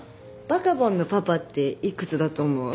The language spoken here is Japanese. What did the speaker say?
バカボンのパパって幾つだと思う？